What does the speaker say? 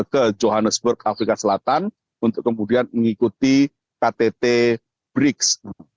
ke johannesburg afrika selatan untuk kemudian mengikuti ktt brids